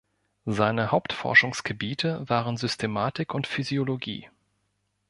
Seine Hauptforschungsgebiete waren Systematik und Physiologie.